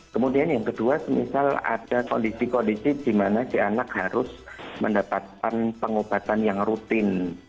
kemudian yang kedua semisal ada kondisi kondisi di mana si anak harus mendapatkan pengobatan yang rutin